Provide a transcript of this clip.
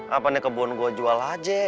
apa nih kebun gue jual aja